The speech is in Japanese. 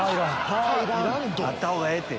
あったほうがええって。